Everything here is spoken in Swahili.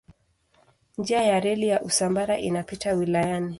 Njia ya reli ya Usambara inapita wilayani.